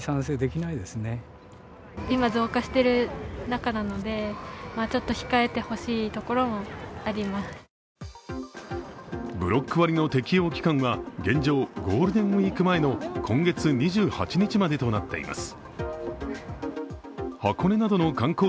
ブロック割について、盛岡市民はブロック割の適用期間は現状、ゴールデンウイーク前の今月２８日までとなっています。